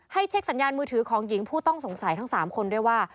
เช็คสัญญาณมือถือของหญิงผู้ต้องสงสัยทั้ง๓คนด้วยว่า